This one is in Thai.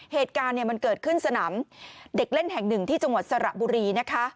เหตุการณ์มันเกิดขึ้นสนามเด็กเล่นแห่งหนึ่งที่จังหวัดสระบุรีนะคะ